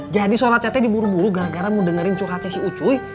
jadi sholatnya diburu buru gara gara mau dengerin curhatnya si ucuy